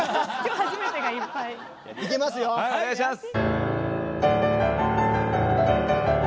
はいお願いします！